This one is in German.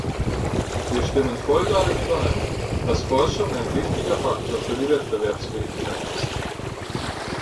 Wir stimmen voll darin überein, dass Forschung ein wichtiger Faktor für die Wettbewerbsfähigkeit ist.